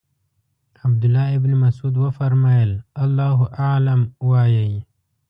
عبدالله ابن مسعود وفرمایل الله اعلم وایئ.